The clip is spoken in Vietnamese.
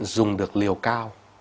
dùng được liều cao